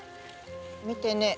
見てねぇ。